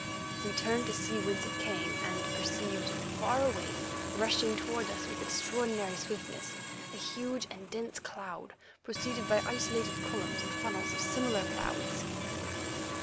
We turned to see whence it came, and perceived, far away, rushing towards us with extraordinary swiftness, a huge and dense cloud preceded by isolated columns and funnels of similar clouds.